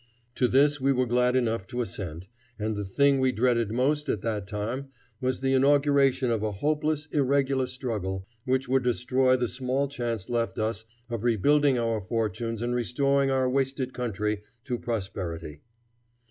To this we were glad enough to assent, as the thing we dreaded most at that time was the inauguration of a hopeless, irregular struggle, which would destroy the small chance left us of rebuilding our fortunes and restoring our wasted country to prosperity.